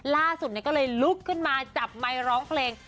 ล่าสุดก็เลยลุกขึ้นมาจับไมค์ร้องเพลง